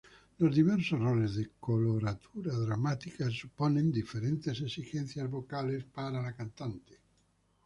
Los diversos roles de coloratura dramática suponen diferentes exigencias vocales para la cantante.